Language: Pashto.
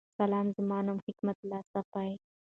سلام زما نوم حکمت الله صافی